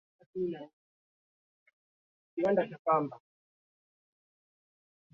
Mwaka wake wa mwisho Italia alipatikana na kashfa ya